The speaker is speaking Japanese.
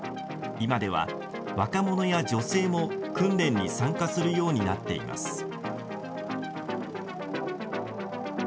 今では若者や女性も訓練に参加するようになっています。